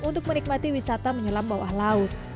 untuk menikmati wisata menyelam bawah laut